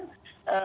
tidak ada jadwal